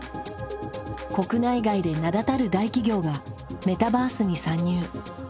国内外で名だたる大企業がメタバースに参入。